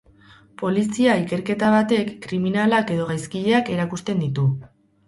Polizia ikerketa batek kriminalak edo gaizkileak erakusten ditu.